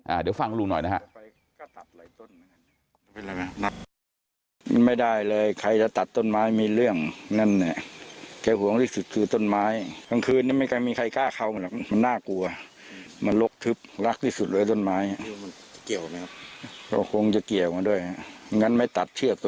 เดี๋ยวฟังลุงหน่อยนะฮะ